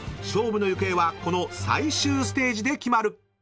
［勝負の行方はこの最終ステージで決まる！］